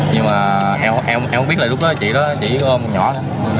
nhưng mà em không biết là lúc đó chị đó chị ôm một nhỏ